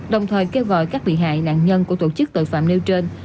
đồng thời kêu gọi các bị hại nạn nhân của tổ chức tội phạm nêu trên